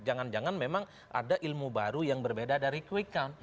jangan jangan memang ada ilmu baru yang berbeda dari quick count